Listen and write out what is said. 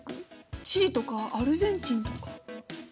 チリとかアルゼンチンとか。